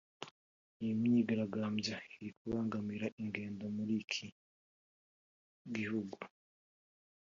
Iyi myigaragambyo iri kubangamira ingendo muri iki gihugu